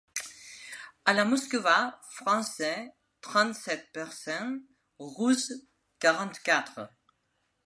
À la Moskowa, français, trente-sept pour cent ; russes, quarante-quatre.